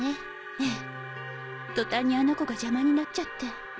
えぇ途端にあの子が邪魔になっちゃって。